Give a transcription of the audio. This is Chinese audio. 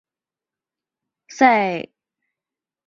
资格赛因为小失误导致没能进入个人项目决赛。